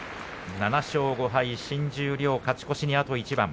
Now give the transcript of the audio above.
７勝５敗、新十両勝ち越しまであと一番。